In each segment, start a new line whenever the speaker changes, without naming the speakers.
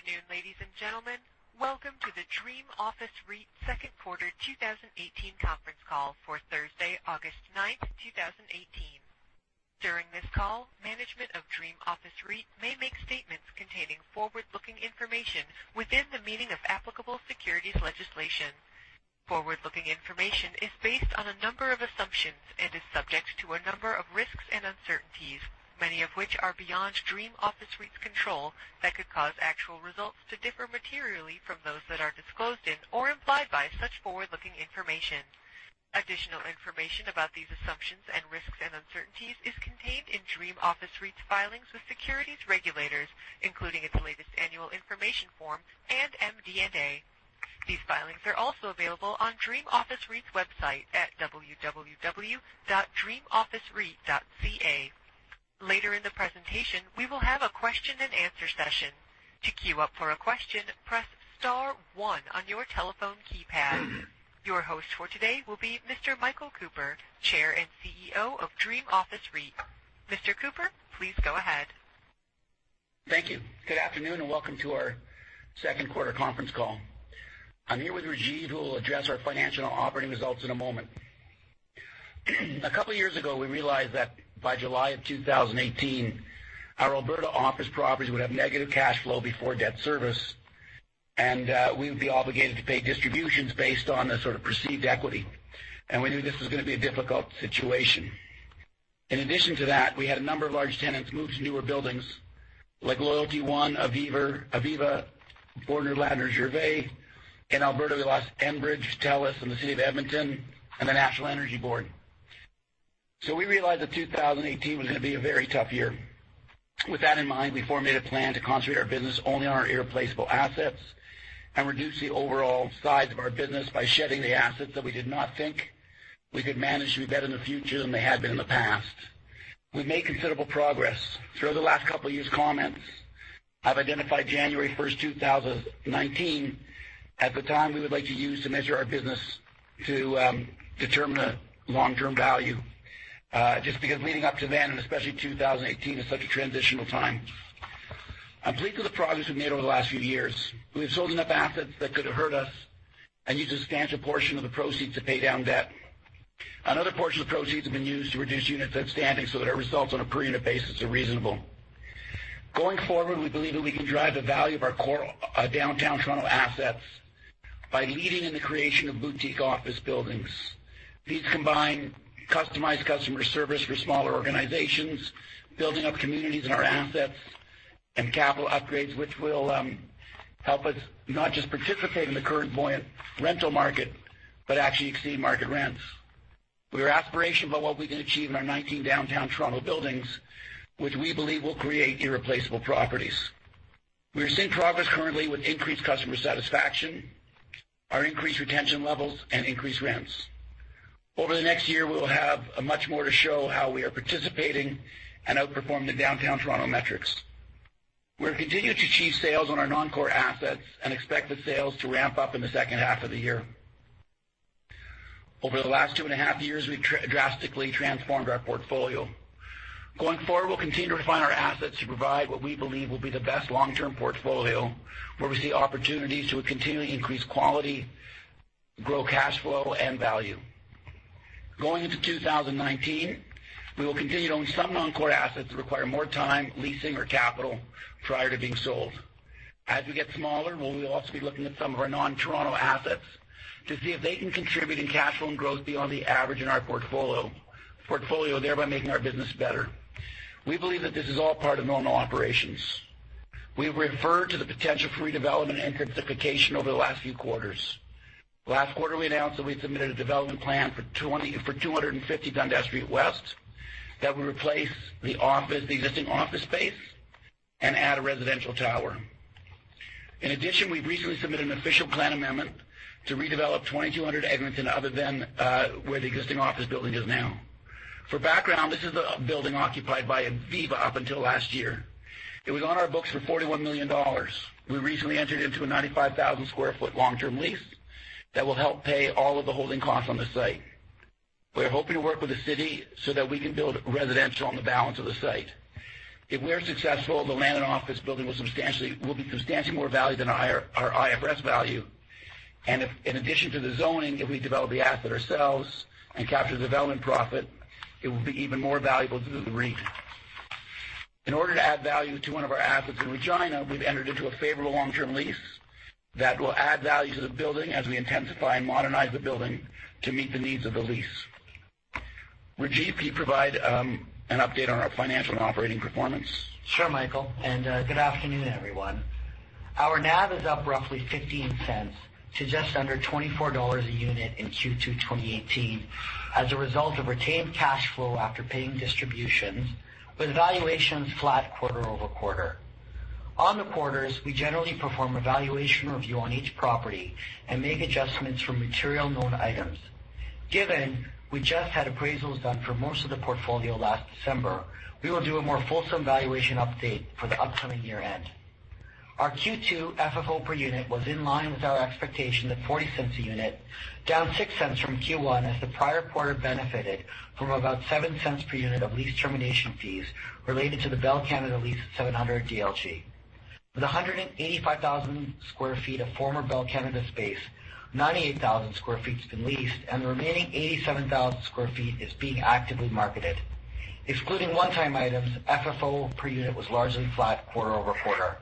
Okay.
Good afternoon, ladies and gentlemen. Welcome to the Dream Office REIT second quarter 2018 conference call for Thursday, August 9, 2018. During this call, management of Dream Office REIT may make statements containing forward-looking information within the meaning of applicable securities legislation. Forward-looking information is based on a number of assumptions and is subject to a number of risks and uncertainties, many of which are beyond Dream Office REIT's control, that could cause actual results to differ materially from those that are disclosed in, or implied by, such forward-looking information. Additional information about these assumptions and risks and uncertainties is contained in Dream Office REIT's filings with securities regulators, including its latest annual information form and MD&A. These filings are also available on Dream Office REIT's website at www.dreamofficereit.ca. Later in the presentation, we will have a question and answer session. To queue up for a question, press star one on your telephone keypad. Your host for today will be Mr. Michael Cooper, Chair and CEO of Dream Office REIT. Mr. Cooper, please go ahead.
Thank you. Good afternoon, and welcome to our second quarter conference call. I'm here with Rajiv, who will address our financial and operating results in a moment. A couple of years ago, we realized that by July of 2018, our Alberta office properties would have negative cash flow before debt service, and we would be obligated to pay distributions based on the sort of perceived equity. We knew this was going to be a difficult situation. In addition to that, we had a number of large tenants move to newer buildings like LoyaltyOne, Aviva, Borden, Ladner, Gervais. In Alberta, we lost Enbridge, Telus, and the City of Edmonton, and the National Energy Board. We realized that 2018 was going to be a very tough year. With that in mind, we formulated a plan to concentrate our business only on our irreplaceable assets and reduce the overall size of our business by shedding the assets that we did not think we could manage to do better in the future than they had been in the past. We've made considerable progress. Through the last couple years' comments, I've identified January 1, 2019, as the time we would like to use to measure our business to determine a long-term value. Just because leading up to then, and especially 2018, is such a transitional time. I'm pleased with the progress we've made over the last few years. We've sold enough assets that could have hurt us and used a substantial portion of the proceeds to pay down debt. Another portion of the proceeds have been used to reduce units outstanding so that our results on a per unit basis are reasonable. Going forward, we believe that we can drive the value of our core downtown Toronto assets by leading in the creation of boutique office buildings. These combine customized customer service for smaller organizations, building up communities in our assets, and capital upgrades, which will help us not just participate in the current buoyant rental market, but actually exceed market rents. We are aspirational about what we can achieve in our 19 downtown Toronto buildings, which we believe will create irreplaceable properties. We are seeing progress currently with increased customer satisfaction, our increased retention levels, and increased rents. Over the next year, we will have much more to show how we are participating and outperforming the downtown Toronto metrics. We're continuing to achieve sales on our non-core assets and expect the sales to ramp up in the second half of the year. Over the last two and a half years, we've drastically transformed our portfolio. Going forward, we'll continue to refine our assets to provide what we believe will be the best long-term portfolio, where we see opportunities to continually increase quality, grow cash flow, and value. Going into 2019, we will continue to own some non-core assets that require more time, leasing, or capital prior to being sold. As we get smaller, we will also be looking at some of our non-Toronto assets to see if they can contribute in cash flow and growth beyond the average in our portfolio, thereby making our business better. We believe that this is all part of normal operations. We've referred to the potential for redevelopment and intensification over the last few quarters. Last quarter, we announced that we'd submitted a development plan for 250 Dundas Street West that would replace the existing office space and add a residential tower. In addition, we recently submitted an Official Plan Amendment to redevelop 2200 Eglinton, other than where the existing office building is now. For background, this is the building occupied by Aviva up until last year. It was on our books for 41 million dollars. We recently entered into a 95,000 sq ft long-term lease that will help pay all of the holding costs on the site. We're hoping to work with the city so that we can build residential on the balance of the site. If we're successful, the land and office building will be substantially more value than our IFRS value. If, in addition to the zoning, if we develop the asset ourselves and capture the development profit, it will be even more valuable to the REIT. In order to add value to one of our assets in Regina, we've entered into a favorable long-term lease that will add value to the building as we intensify and modernize the building to meet the needs of the lease. Rajiv, can you provide an update on our financial and operating performance?
Sure, Michael, good afternoon, everyone. Our NAV is up roughly 0.15 to just under 24 dollars a unit in Q2 2018 as a result of retained cash flow after paying distributions, with valuations flat quarter-over-quarter. On the quarters, we generally perform a valuation review on each property and make adjustments for material known items. Given we just had appraisals done for most of the portfolio last December, we will do a more fulsome valuation update for the upcoming year-end. Our Q2 FFO per unit was in line with our expectation of 0.40 a unit, down 0.06 from Q1 as the prior quarter benefited from about 0.07 per unit of lease termination fees related to the Bell Canada lease at 700 DLG. With 185,000 sq ft of former Bell Canada space, 98,000 sq ft has been leased, and the remaining 87,000 sq ft is being actively marketed. Excluding one-time items, FFO per unit was largely flat quarter-over-quarter.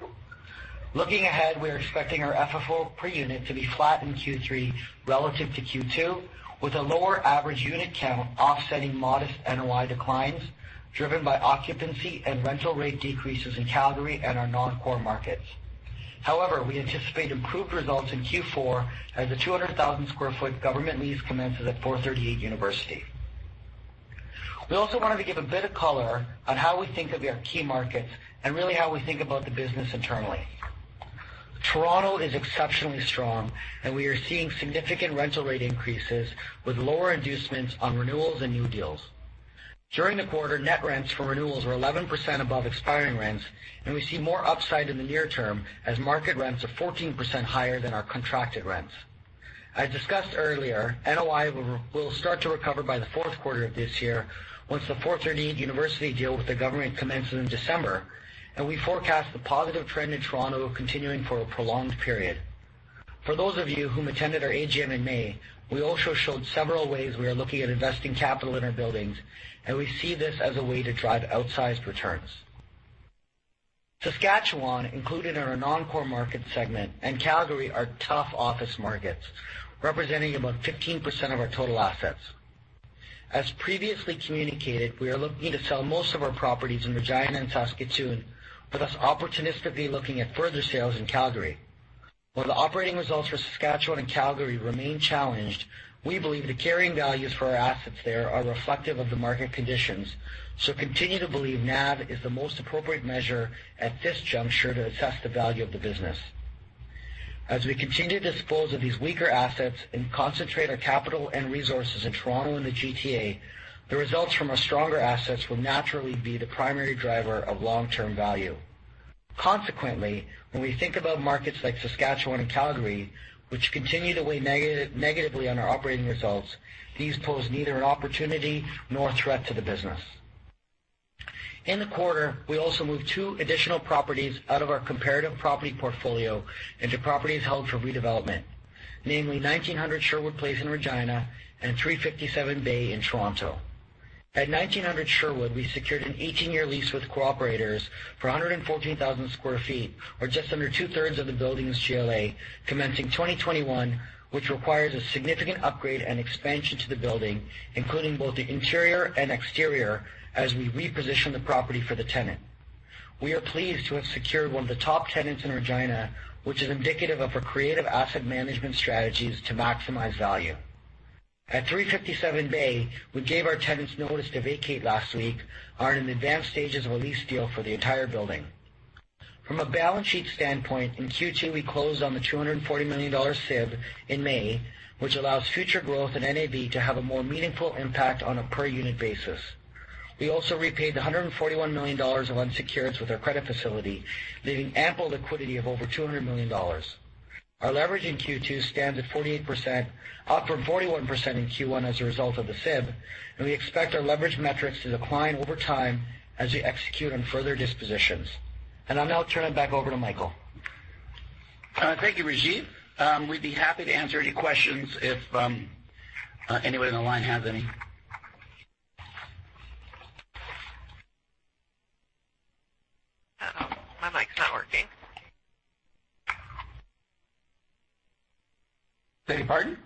Looking ahead, we're expecting our FFO per unit to be flat in Q3 relative to Q2, with a lower average unit count offsetting modest NOI declines driven by occupancy and rental rate decreases in Calgary and our non-core markets. However, we anticipate improved results in Q4 as the 200,000 sq ft government lease commences at 438 University. We also wanted to give a bit of color on how we think of our key markets and really how we think about the business internally. Toronto is exceptionally strong, and we are seeing significant rental rate increases with lower inducements on renewals and new deals. During the quarter, net rents for renewals were 11% above expiring rents, and we see more upside in the near term as market rents are 14% higher than our contracted rents. As discussed earlier, NOI will start to recover by the fourth quarter of this year once the 438 University deal with the government commences in December, we forecast the positive trend in Toronto continuing for a prolonged period. For those of you who attended our AGM in May, we also showed several ways we are looking at investing capital in our buildings, and we see this as a way to drive outsized returns. Saskatchewan, included in our non-core market segment, and Calgary are tough office markets, representing about 15% of our total assets. As previously communicated, we are looking to sell most of our properties in Regina and Saskatoon, with us opportunistically looking at further sales in Calgary. While the operating results for Saskatchewan and Calgary remain challenged, we believe the carrying values for our assets there are reflective of the market conditions, so continue to believe NAV is the most appropriate measure at this juncture to assess the value of the business. As we continue to dispose of these weaker assets and concentrate our capital and resources in Toronto and the GTA, the results from our stronger assets will naturally be the primary driver of long-term value. Consequently, when we think about markets like Saskatchewan and Calgary, which continue to weigh negatively on our operating results, these pose neither an opportunity nor a threat to the business. In the quarter, we also moved two additional properties out of our comparative property portfolio into properties held for redevelopment, namely 1900 Sherwood Place in Regina and 357 Bay in Toronto. At 1900 Sherwood, we secured an 18-year lease with Co-operators for 114,000 sq ft or just under two-thirds of the building's GLA, commencing 2021, which requires a significant upgrade and expansion to the building, including both the interior and exterior, as we reposition the property for the tenant. We are pleased to have secured one of the top tenants in Regina, which is indicative of our creative asset management strategies to maximize value. At 357 Bay, we gave our tenants notice to vacate last week. We are in advanced stages of a lease deal for the entire building. From a balance sheet standpoint, in Q2, we closed on the 240 million dollar SIB in May, which allows future growth in NAV to have a more meaningful impact on a per-unit basis. We also repaid the 141 million dollars of unsecureds with our credit facility, leaving ample liquidity of over 200 million dollars. Our leverage in Q2 stands at 48%, up from 41% in Q1 as a result of the SIB. We expect our leverage metrics to decline over time as we execute on further dispositions. I'll now turn it back over to Michael.
Thank you, Rajiv. We'd be happy to answer any questions if anyone on the line has any.
My mic's not working.
Say pardon?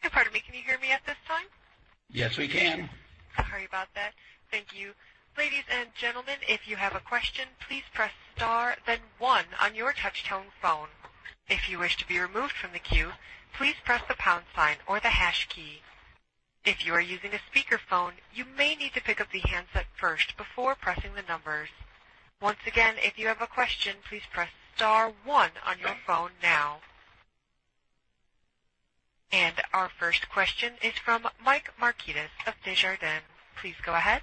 Pardon me. Can you hear me at this time?
Yes, we can.
Sorry about that. Thank you. Ladies and gentlemen, if you have a question, please press star then one on your touch-tone phone. If you wish to be removed from the queue, please press the pound sign or the hash key. If you are using a speakerphone, you may need to pick up the handset first before pressing the numbers. Once again, if you have a question, please press star one on your phone now. Our first question is from Michael Markidis of Desjardins. Please go ahead.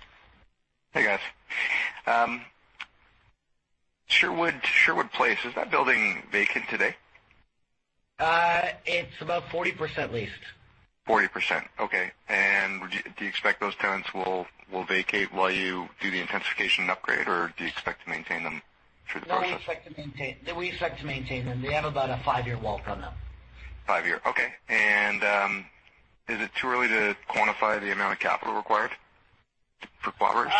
Hey, guys. Sherwood Place, is that building vacant today?
It's about 40% leased.
40%. Okay. Do you expect those tenants will vacate while you do the intensification upgrade, or do you expect to maintain them through the process?
No, we expect to maintain them. We have about a five-year walk on them.
Five-year. Okay. Is it too early to quantify the amount of capital required for Co-operators?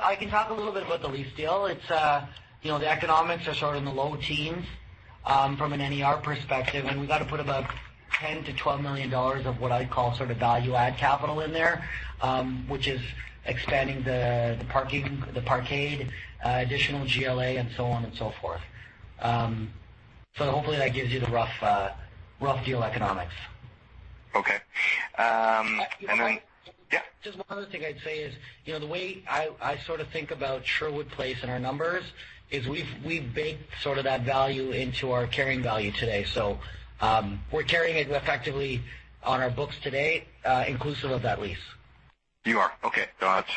I can talk a little bit about the lease deal. The economics are sort of in the low teens, from an NAR perspective, and we've got to put about 10 million-12 million dollars of what I call value-add capital in there, which is expanding the parkade, additional GLA, and so on and so forth. Hopefully, that gives you the rough deal economics. Okay. Yeah.
Just one other thing I'd say is, the way I sort of think about Sherwood Place and our numbers is we've baked sort of that value into our carrying value today. We're carrying it effectively on our books today, inclusive of that lease.
You are. Okay. That's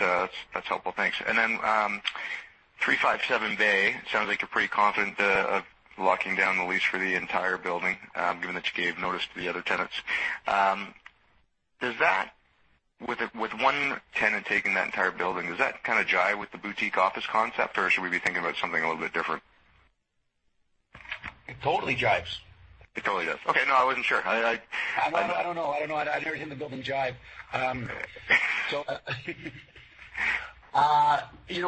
helpful. Thanks. 357 Bay, it sounds like you're pretty confident of locking down the lease for the entire building, given that you gave notice to the other tenants. With one tenant taking that entire building, does that kind of jibe with the boutique office concept, or should we be thinking about something a little bit different?
It totally jives.
It totally does. Okay. No, I wasn't sure.
I don't know. I've never seen the building jibe. You know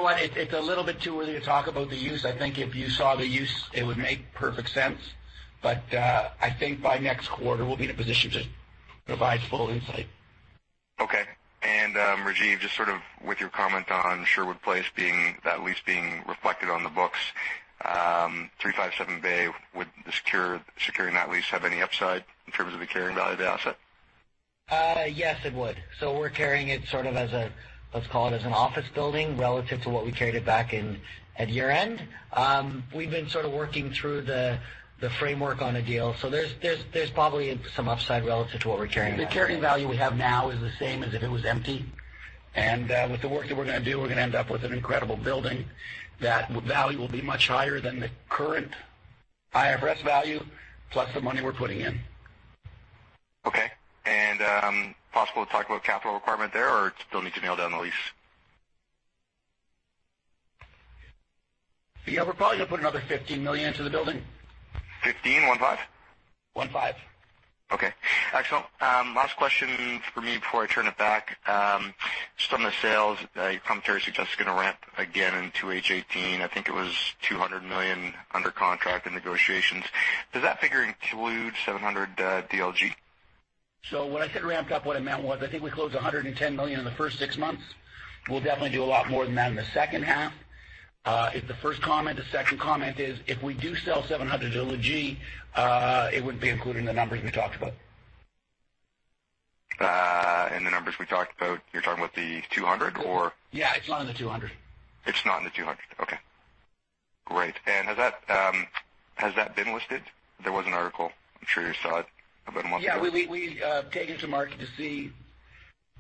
what? It's a little bit too early to talk about the use. I think if you saw the use, it would make perfect sense. I think by next quarter, we'll be in a position to provide full insight.
Okay. Rajiv, just sort of with your comment on Sherwood Place, that lease being reflected on the books, 357 Bay, would securing that lease have any upside in terms of the carrying value of the asset?
Yes, it would. We're carrying it sort of as a, let's call it as an office building relative to what we carried it back in at year-end. We've been sort of working through the framework on a deal. There's probably some upside relative to what we're carrying.
The carrying value we have now is the same as if it was empty. With the work that we're going to do, we're going to end up with an incredible building. That value will be much higher than the current IFRS value, plus the money we're putting in.
Okay. Possible to talk about capital requirement there, or still need to nail down the lease?
Yeah, we're probably going to put another 15 million into the building.
15, 1-5?
One-five.
Okay. Excellent. Last question from me before I turn it back. On the sales commentary suggests it's going to ramp again into H18. I think it was 200 million under contract in negotiations. Does that figure include 700 DLG?
When I said ramped up, what I meant was, I think we closed 110 million in the first six months. We'll definitely do a lot more than that in the second half, is the first comment. The second comment is, if we do sell 700 DLG, it would be included in the numbers we talked about.
In the numbers we talked about, you're talking about the 200, or?
Yeah, it's not in the 200.
It's not in the 200. Okay, great. Has that been listed? There was an article, I'm sure you saw it, about a month ago.
Yeah, we've taken it to market to see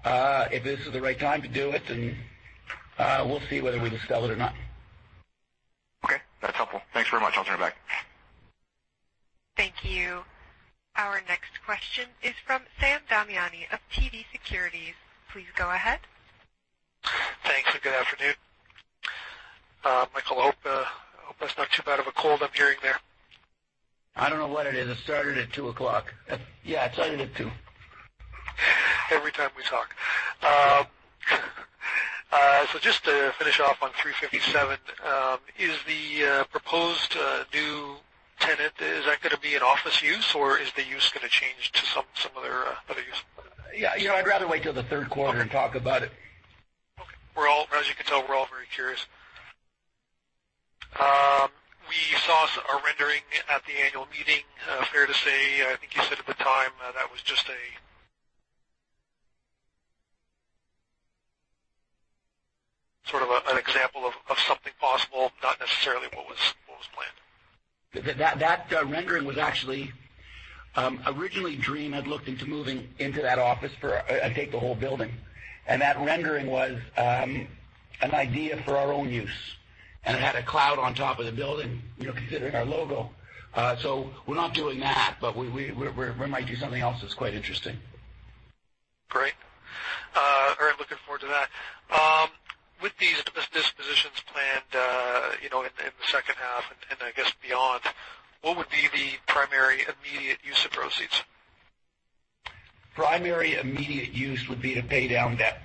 if this is the right time to do it. We'll see whether we sell it or not.
Okay, that's helpful. Thanks very much. I'll turn it back.
Thank you. Our next question is from Sam Damiani of TD Securities. Please go ahead.
Thanks. Good afternoon. Michael, I hope that's not too bad of a cold I'm hearing there.
I don't know what it is. It started at 2:00. Yeah, it started at 2:00.
Every time we talk. Just to finish off on 357, is the proposed new tenant, is that going to be an office use, or is the use going to change to some other use?
Yeah. I'd rather wait till the third quarter and talk about it.
Okay. As you can tell, we're all very curious. We saw a rendering at the annual meeting. Fair to say, I think you said at the time that was just a sort of an example of something possible, not necessarily what was planned.
That rendering was actually Originally, Dream had looked into moving into that office, and take the whole building. That rendering was an idea for our own use, and it had a cloud on top of the building, considering our logo. We're not doing that, but we might do something else that's quite interesting.
Great. All right, looking forward to that. With these dispositions planned in the second half, and I guess beyond, what would be the primary immediate use of proceeds?
Primary immediate use would be to pay down debt.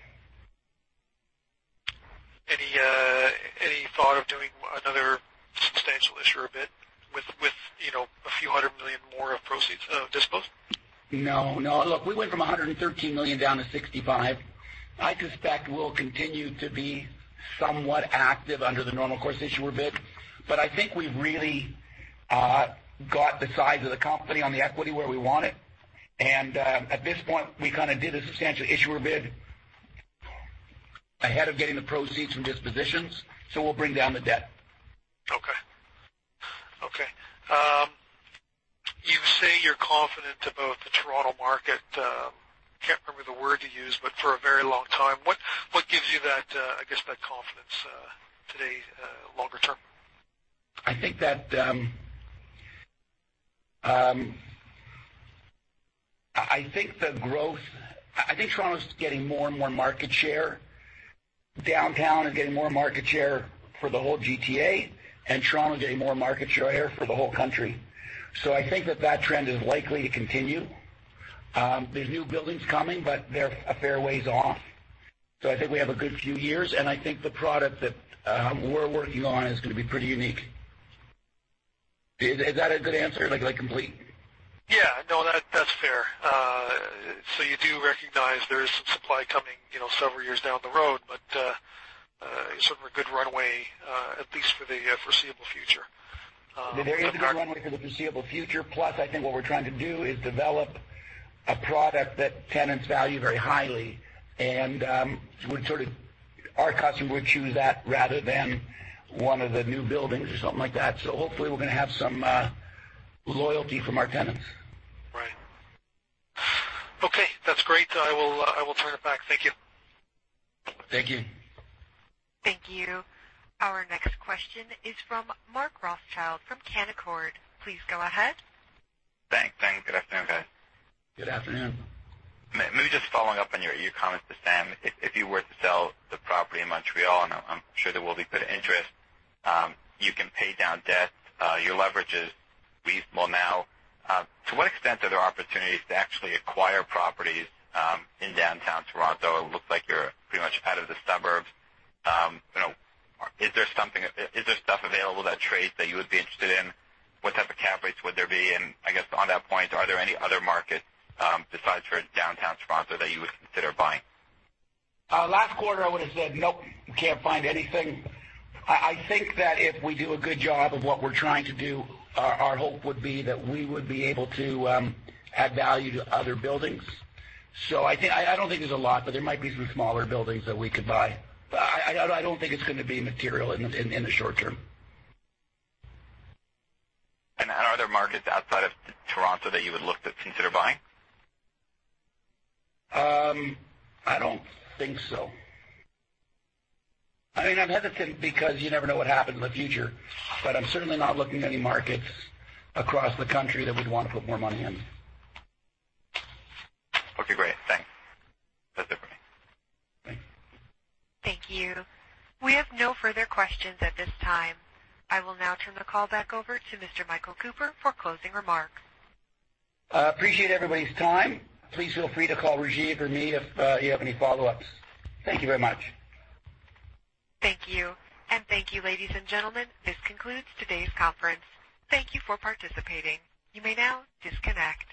Any thought of doing another Substantial Issuer Bid with a CAD few hundred million more of proceeds of disposed?
No. Look, we went from 113 million down to 65. I suspect we'll continue to be somewhat active under the Normal Course Issuer Bid. I think we've really got the size of the company on the equity where we want it. At this point, we kind of did a Substantial Issuer Bid ahead of getting the proceeds from dispositions. We'll bring down the debt.
Okay. You say you're confident about the Toronto market, can't remember the word you used, but for a very long time. What gives you that confidence today, longer term?
I think Toronto's getting more and more market share. Downtown is getting more market share for the whole GTA, Toronto is getting more market share for the whole country. I think that that trend is likely to continue. There's new buildings coming, but they're a fair ways off. I think we have a good few years, I think the product that we're working on is going to be pretty unique. Is that a good answer? Is that complete?
Yeah. No, that's fair. You do recognize there is some supply coming several years down the road, but sort of a good runway, at least for the foreseeable future.
There is a good runway for the foreseeable future. I think what we're trying to do is develop a product that tenants value very highly, and our customer would choose that rather than one of the new buildings or something like that. Hopefully, we're going to have some loyalty from our tenants.
Right. Okay, that's great. I will turn it back. Thank you.
Thank you.
Thank you. Our next question is from Mark Rothschild from Canaccord. Please go ahead.
Thanks. Good afternoon, guys.
Good afternoon.
Maybe just following up on your comments to Sam. If you were to sell the property in Montreal, and I'm sure there will be good interest, you can pay down debt. Your leverage is reasonable now. To what extent are there opportunities to actually acquire properties in downtown Toronto? It looks like you're pretty much out of the suburbs. Is there stuff available that trades that you would be interested in? What type of cap rates would there be? I guess on that point, are there any other markets besides for downtown Toronto that you would consider buying?
Last quarter, I would've said nope, can't find anything. I think that if we do a good job of what we're trying to do, our hope would be that we would be able to add value to other buildings. I don't think there's a lot, but there might be some smaller buildings that we could buy. I don't think it's going to be material in the short term.
Are there markets outside of Toronto that you would look to consider buying?
I don't think so. I'm hesitant because you never know what happens in the future, but I'm certainly not looking at any markets across the country that we'd want to put more money in.
Okay, great. Thanks. That's it for me.
Thanks.
Thank you. We have no further questions at this time. I will now turn the call back over to Mr. Michael Cooper for closing remarks.
Appreciate everybody's time. Please feel free to call Rajiv or me if you have any follow-ups. Thank you very much.
Thank you. Thank you, ladies and gentlemen. This concludes today's conference. Thank you for participating. You may now disconnect.